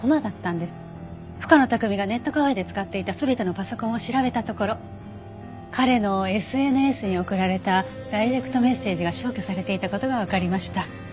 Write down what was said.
深野拓実がネットカフェで使っていた全てのパソコンを調べたところ彼のＳＮＳに送られたダイレクトメッセージが消去されていた事がわかりました。